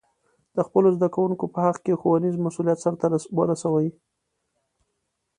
د خپلو زده کوونکو په حق کې ښوونیز مسؤلیت سرته ورسوي.